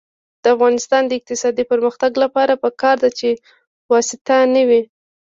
د افغانستان د اقتصادي پرمختګ لپاره پکار ده چې واسطه نه وي.